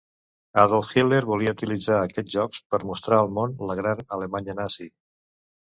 Adolf Hitler volia utilitzar aquests jocs per mostrar al món la gran Alemanya nazi.